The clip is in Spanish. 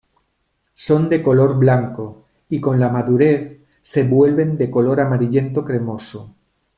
Son de color blanco, y con la madurez se vuelven de color amarillento cremoso.